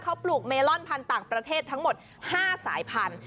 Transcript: เขาปลูกเมลอนพันธุ์ต่างประเทศทั้งหมด๕สายพันธุ